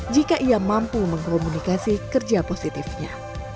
jika ia mampu mengkomunikasi kerja positifnya